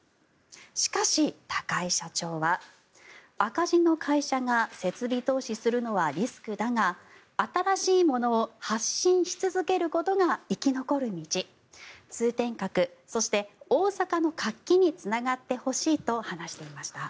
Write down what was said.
しかし、高井社長は赤字の会社が設備投資するのはリスクだが新しいものを発信し続けることが生き残る道通天閣、そして大阪の活気につながってほしいと話していました。